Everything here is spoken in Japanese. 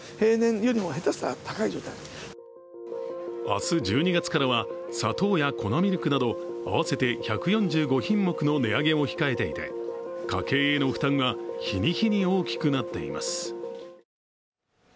明日、１２月からは砂糖や粉ミルクなど合わせて１４５品目の値上げも控えていて家計への負担は日に日に大きくなっています。